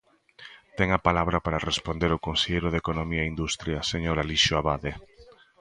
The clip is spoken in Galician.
Ten a palabra para responder o conselleiro de Economía e Industria, señor Alixo Abade.